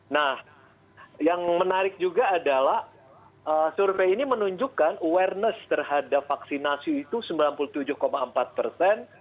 nah yang menarik juga adalah survei ini menunjukkan awareness terhadap vaksinasi itu sembilan puluh tujuh empat persen